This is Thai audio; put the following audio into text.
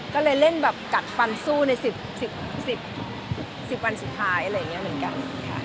ก็เลยเล่นแบบกัดฟันสู้ใน๑๐วันสุดท้ายอะไรอย่างนี้เหมือนกันค่ะ